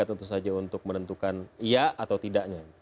tentu saja untuk menentukan iya atau tidaknya